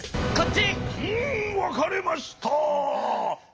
うんわかれました。